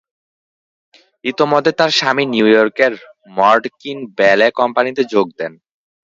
ইতোমধ্যে তার স্বামী নিউ ইয়র্কের মর্ডকিন ব্যালে কোম্পানিতে যোগ দেন।